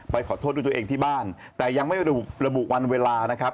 ขอโทษด้วยตัวเองที่บ้านแต่ยังไม่ระบุวันเวลานะครับ